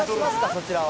そちらは。